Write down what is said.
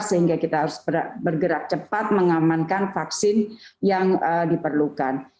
sehingga kita harus bergerak cepat mengamankan vaksin yang diperlukan